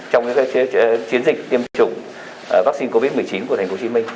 trong chiến dịch tiêm chủng